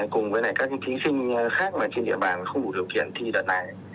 cùng với các thí sinh khác trên địa bàn khu điều kiện thi đợt này